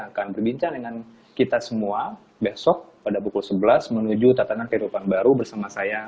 akan berbincang dengan kita semua besok pada pukul sebelas menuju tatanan kehidupan baru bersama saya